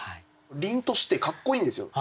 りんとしてかっこいいんですよ